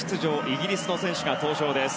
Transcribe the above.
イギリスの選手が登場です。